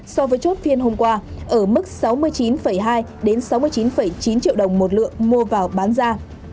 so với chốt phiên hôm qua ở mức sáu mươi chín hai sáu mươi chín chín triệu đồng một lượng mua vào bán ra